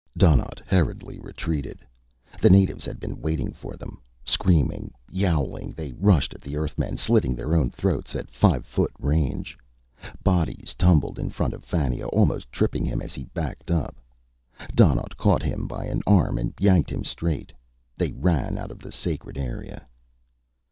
Donnaught hurriedly retreated. The natives had been waiting for them. Screaming, yowling, they rushed at the Earthmen, slitting their own throats at five foot range. Bodies tumbled in front of Fannia, almost tripping him as he backed up. Donnaught caught him by an arm and yanked him straight. They ran out of the sacred area.